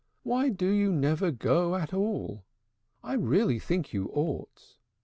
Why do you never go at all? I really think you ought.